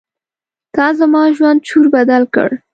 تا زما ژوند چور بدل کړ.